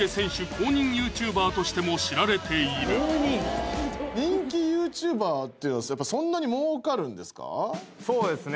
公認ＹｏｕＴｕｂｅｒとしても知られている人気ＹｏｕＴｕｂｅｒってそうですね